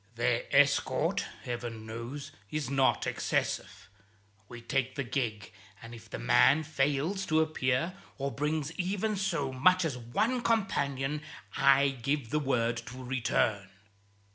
Their escort, Heaven knows, is not excessive. We take the gig, and if the man fails to appear, or brings even so much as one companion, I give the word to return."